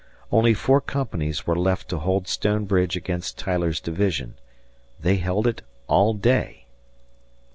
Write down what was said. Only four companies were left to hold Stone Bridge against Tyler's division; they held it all day.